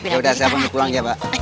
ya udah saya mau pulang ya mbak